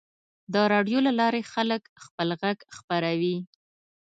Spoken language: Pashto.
د راډیو له لارې خلک خپل غږ خپروي.